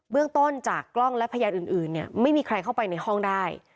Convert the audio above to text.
เรื่องต้นจากกล้องและพยานอื่นไม่มีใครเข้าไปในห้องได้